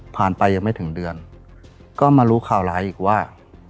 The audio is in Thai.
ไปยังไม่ถึงเดือนก็มารู้ข่าวร้ายอีกว่า